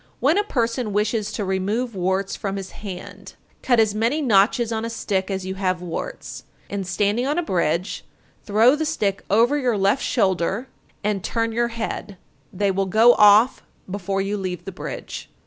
When a person wishes to remove warts from his hand, cut as many notches on a stick as you have warts, and standing on a bridge, throw the stick over your left shoulder, and turn your head; they will go off before you leave the bridge.